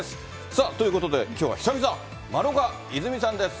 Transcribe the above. さあということで、きょうは久々、丸岡いずみさんです。